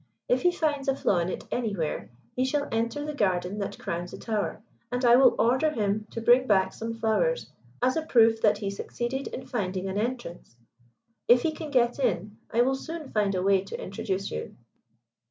If he finds a flaw in it anywhere, he shall enter the garden that crowns the Tower, and I will order him to bring back some flowers as a proof that he succeeded in finding an entrance. If he can get in, I will soon find a way to introduce you."